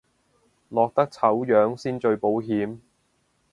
落得醜樣先最保險